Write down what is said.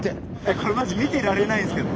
これマジ見てられないんすけど。